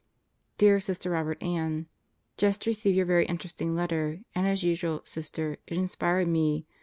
Dear Sister Robert Ann: Just received your very interesting letter, and as usual, Sister, it inspired me.